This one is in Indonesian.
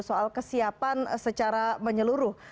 soal kesiapan secara menyeluruh